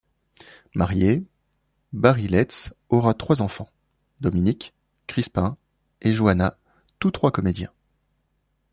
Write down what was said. Marié, Barry Letts aura trois enfants, Dominic, Crispin et Joanna, tout trois comédiens.